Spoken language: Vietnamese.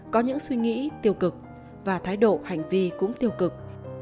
có những suy nghĩ tiêu cực và thái độ hành vi cũng tiêu cực